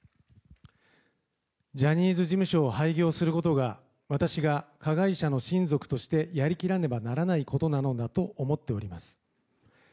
ジャニーズ事務所を廃業することが私が加害者の親族としてやりきれなければならないことだと思っております。